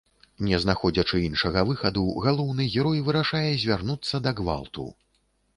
Не знаходзячы іншага выхаду, галоўны герой вырашае звярнуцца да гвалту.